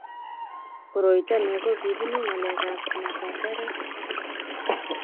koroito ni ko kibunu ng'alek ab amet ab reresik